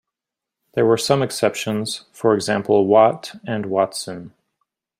There were some exceptions: for example "Watt" and "Watson".